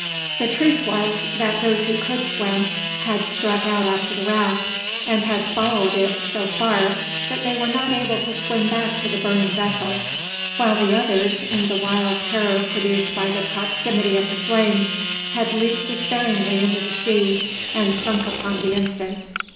The truth was, that those who could swim had struck out after the raft, and had followed it so far that they were not able to swim back to the burning vessel; while the others, in the wild terror produced by the proximity of the flames, had leaped despairingly into the sea, and sunk upon the instant.